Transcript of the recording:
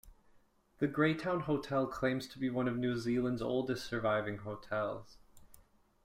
The Greytown Hotel claims to be one of New Zealand's oldest surviving hotels.